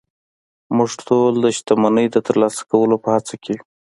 موږ ټول د شتمنۍ د ترلاسه کولو په هڅه کې يو